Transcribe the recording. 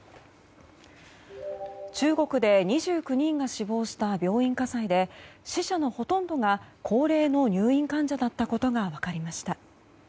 中国で２９人が死亡した病院火災で死者のほとんどが高齢の入院患者だったことが分かりました。